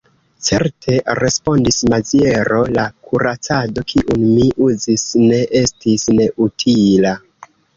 Certe, respondis Maziero, la kuracado, kiun mi uzis, ne estis neutila.